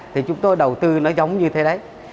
thì chúng tôi đầu tư nó giống như thế đấy